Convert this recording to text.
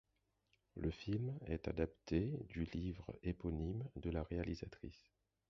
Le film est adapté du livre éponyme de la réalisatrice.